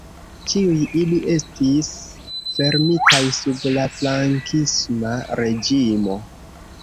Ĉiuj ili estis fermitaj sub la frankisma reĝimo.